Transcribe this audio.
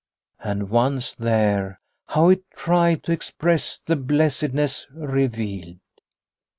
And once there, how it tried to express the blessed ness revealed.